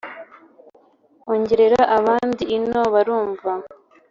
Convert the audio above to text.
Ongerera abandi ino barumva